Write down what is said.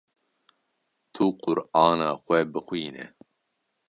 Tu Qur’ana xwe bixwîne